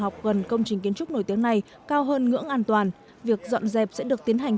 học gần công trình kiến trúc nổi tiếng này cao hơn ngưỡng an toàn việc dọn dẹp sẽ được tiến hành